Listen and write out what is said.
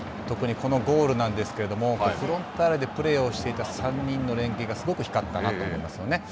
特にこのゴールなんですけども、フロンターレでプレーをしていた３人の連係が、すごく光ったなと思いますよね。